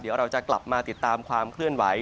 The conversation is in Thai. เดี๋ยวเราจะกลับมาติดตามความเคลื่อนไหว